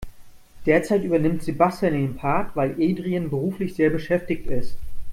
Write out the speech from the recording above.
Derzeit übernimmt Sebastian den Part, weil Adrian beruflich sehr beschäftigt ist.